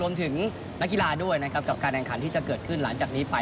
นักกีฬาด้วยนะครับกับการแข่งขันที่จะเกิดขึ้นหลังจากนี้ไป